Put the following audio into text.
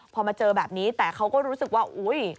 พอมาเจอแบบนี้แต่เขาก็รู้สึกว่าอุ๊ย